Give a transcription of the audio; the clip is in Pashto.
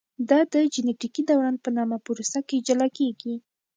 دا د جینټیکي دوران په نامه پروسه کې جلا کېږي.